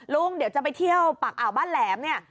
ลุงเดี๋ยวจะไปเที่ยวปากอ่าวบ้านแหลมเนี่ย